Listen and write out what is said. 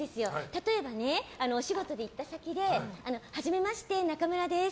例えばね、お仕事で行った先ではじめまして、ナカムラです。